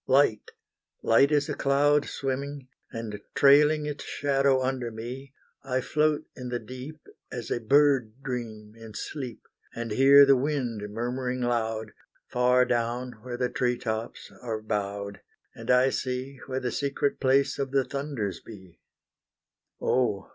Light, light as a cloud Swimming, and trailing its shadow under me I float in the deep As a bird dream in sleep, And hear the wind murmuring loud, Far down, where the tree tops are bowed, And I see where the secret place of the thunders be Oh!